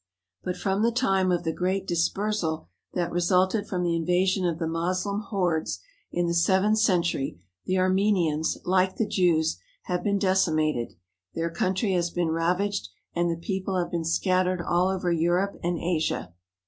But from the time of the great dispersal that resulted from the invasion of the Moslem hordes in the seventh century, the Armenians, like the Jews, have been decimated, their country has been ravaged, and the people have been scattered all over Europe and Asia.